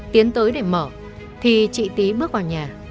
tiến tới để mở thì chị tý bước vào nhà